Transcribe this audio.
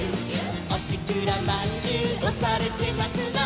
「おしくらまんじゅうおされてなくな」